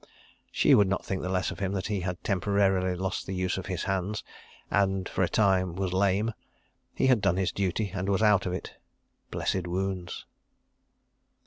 ... She would not think the less of him that he had temporarily lost the use of his hands and, for a time, was lame. ... He had done his duty and was out of it! Blessed wounds!